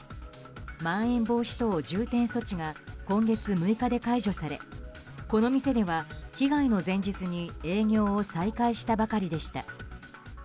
まん延防止等重点措置が今月６日で解除されこの店では、被害の前日に営業を再開したばかりでした。